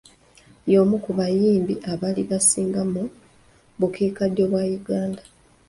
Y'omu ku bayimbi abaali basinga mu bukiikaddyo bwa Uganda.